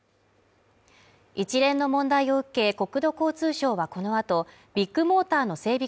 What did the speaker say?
一連の問題を受け国土交通省はこのあとビッグモーターの整備